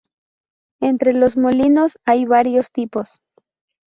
Entre los molinos, hay varios tipos.